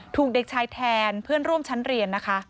ถูกเด็กชายแทนเพื่อนร่วมชั้นเรียนนะคะ